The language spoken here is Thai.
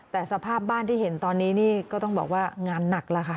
แต่สภาพบ้านที่เห็นตอนนี้นี่ก็ต้องบอกว่างานหนักแล้วค่ะ